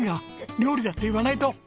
料理だって言わないと！